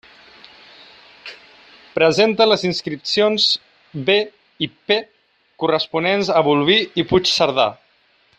Presenta les inscripcions B i P corresponents a Bolvir i Puigcerdà.